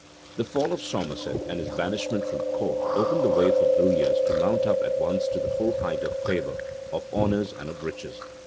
The fall of Somerset, and his banishment from court, opened the way for Villiers to mount up at once to the full height of favor, of honors, and of riches.